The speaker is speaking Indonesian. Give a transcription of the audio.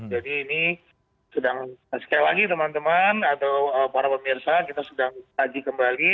jadi ini sedang sekali lagi teman teman atau para pemirsa kita sedang haji kembali